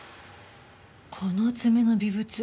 この爪の微物